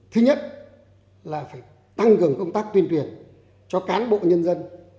thứ nhất là phải tăng cường công tác tuyên truyền cho cán bộ nhân dân